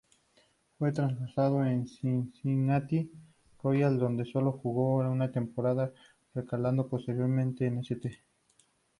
Fue traspasado a Cincinnati Royals, donde sólo jugó una temporada, recalando posteriormente en St.